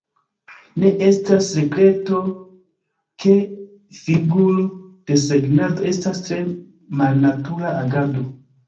Ne estas sekreto, ke figur-desegnado estas tre malnatura agado.